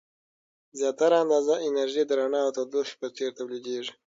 زیاتره اندازه انرژي د رڼا او تودوخې په څیر تولیدیږي.